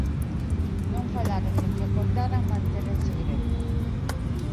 Non falaron do que acordaran manter en segredo.